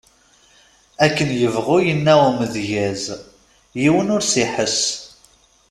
Akken yebɣu yenna umedyaz, yiwen ur s-iḥess.